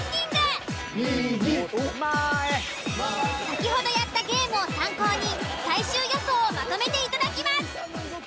先ほどやったゲームを参考に最終予想をまとめていただきます。